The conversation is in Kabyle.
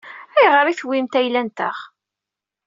Ayɣer i tewwimt ayla-nteɣ?